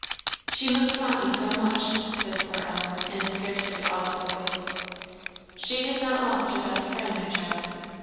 "She must want me so much," said poor Ellen, in a scarcely audible voice. "She has not lost her best friend, my child."